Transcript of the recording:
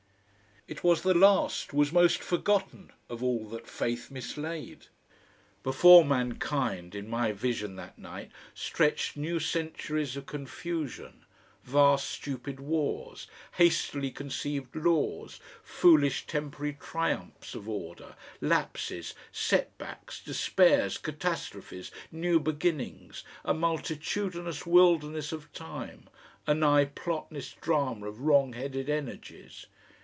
It was the last was most forgotten of all that faith mislaid. Before mankind, in my vision that night, stretched new centuries of confusion, vast stupid wars, hastily conceived laws, foolish temporary triumphs of order, lapses, set backs, despairs, catastrophes, new beginnings, a multitudinous wilderness of time, a nigh plotless drama of wrong headed energies.